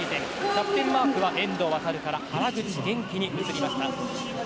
キャプテンマークは遠藤航から原口元気に移りました。